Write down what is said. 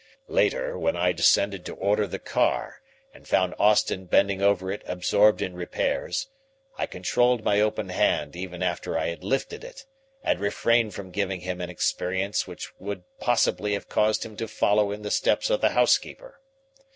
"Later, when I descended to order the car and found Austin bending over it absorbed in repairs, I controlled my open hand even after I had lifted it and refrained from giving him an experience which would possibly have caused him to follow in the steps of the housekeeper.